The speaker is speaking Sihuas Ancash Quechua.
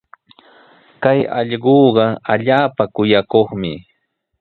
Kay allquuqa allaapa kuyakuqmi.